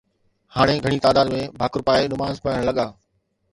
ھاڻي گھڻي تعداد ۾ ڀاڪر پائي نماز پڙھڻ لڳا